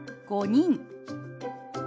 「５人」。